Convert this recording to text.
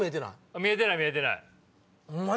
見えてない見えてない。